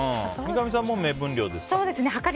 三上さんも目分量ですか？